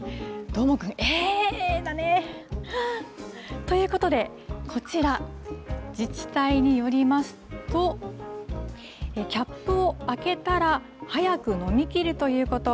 どーもくん、えー！だね。ということで、こちら、自治体によりますと、キャップを開けたら早く飲み切るということ。